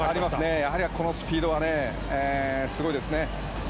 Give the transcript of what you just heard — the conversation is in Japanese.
やはり、このスピードはすごいですね。